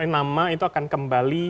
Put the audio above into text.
nama itu akan kembali